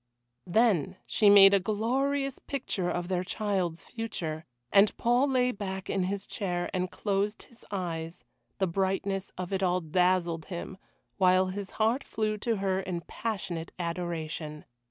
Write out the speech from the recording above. Then she made a glorious picture of their child's future, and Paul lay back in his chair and closed his eyes the brightness of it all dazzled him while his heart flew to her in passionate adoration.